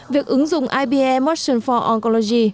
việc ứng dụng ipe motion for oncology